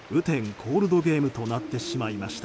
コールドゲームとなってしまいました。